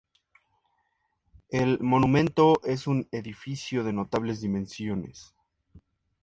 El monumento es un edificio de notables dimensiones.